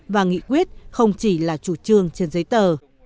và nghị quyết không chỉ là chủ trương trên giấy tờ